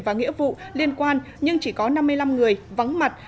và nghĩa vụ liên quan nhưng chỉ có năm mươi năm người vắng mặt